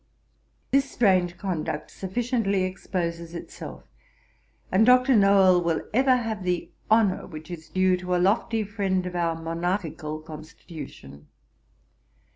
This strange conduct sufficiently exposes itself; and Dr. Nowell will ever have the honour which is due to a lofty friend of our monarchical constitution.